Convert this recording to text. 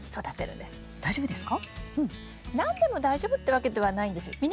何でも大丈夫ってわけではないんですよ。